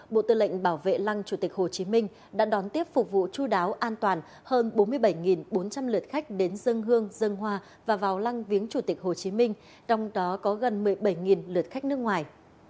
bộ tư lệnh bảo vệ lăng chủ tịch hồ chí minh đã đón tiếp phục vụ chú đáo an toàn hơn bốn mươi bảy bốn trăm linh lượt khách đến dân hương dân hoa và vào lăng viếng chủ tịch hồ chí minh trong đó có gần một mươi bảy lượt khách nước ngoài